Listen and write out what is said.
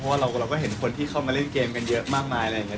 เพราะว่าเราก็เห็นคนที่เข้ามาเล่นเกมกันเยอะมากมายอะไรอย่างนี้